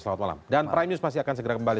selamat malam dan prime news masih akan segera kembali